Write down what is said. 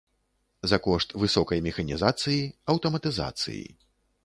За кошт высокай механізацыі, аўтаматызацыі.